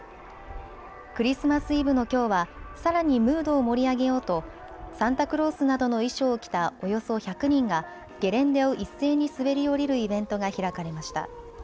クリスマスイブのきょうはさらにムードを盛り上げようとサンタクロースなどの衣装を着たおよそ１００人がゲレンデを一斉に滑り降りるイベントが開かれました。